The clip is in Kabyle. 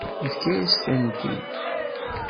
Yefka-yas-tent-id.